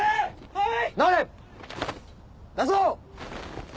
はい！